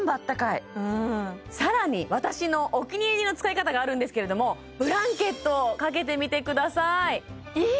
更に私のお気に入りの使い方があるんですけれどもブランケットを掛けてみてくださいいい！